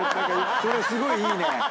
それすごいいいね。